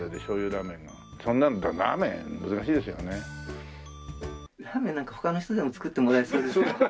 ラーメンなんか他の人でも作ってもらえそうですよね。